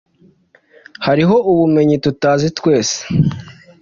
hari ho ubu menyi tutazi twese